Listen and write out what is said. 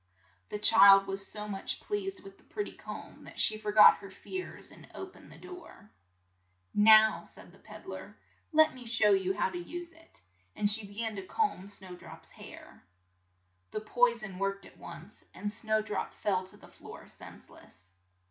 The child was so much pleased with the pret ty comb that she for got her fears and o pened the door\, "Now," said the ped dler, "let me show you how to use it," and she be gan to comb Snow drop's hair. The poi son worked at once, and Snow drop fell to the floor sense less.